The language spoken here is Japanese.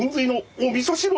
おみそ汁！